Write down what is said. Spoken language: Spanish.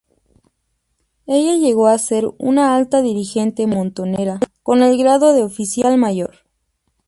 Ella llegó a ser una alta dirigente montonera con el grado de Oficial Mayor.